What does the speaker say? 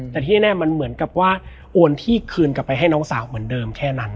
แต่ที่แน่มันเหมือนกับว่าโอนที่คืนกลับไปให้น้องสาวเหมือนเดิมแค่นั้น